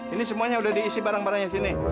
ini semuanya sudah diisi barang barangnya sini